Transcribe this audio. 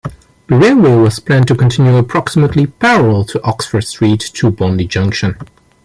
The railway was planned to continue approximately parallel to Oxford Street to Bondi Junction.